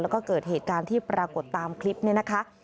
แล้วก็เกิดเหตุการณ์ที่ปรากฏตามคลิปนี้นะคะ